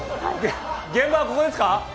現場はここですか？